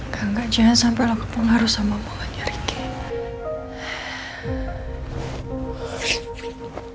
gak gak jangan sampai aku pengaruh sama omongan nyariknya